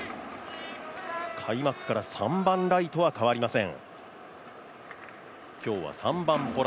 開幕から３番ライトは変わりません